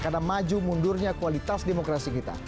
karena maju mundurnya kualitas demokrasi kita